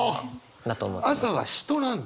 朝は人なんだ。